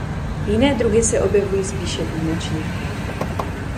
Jiné druhy se objevují spíše výjimečně.